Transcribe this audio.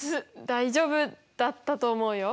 大丈夫だったと思うよ。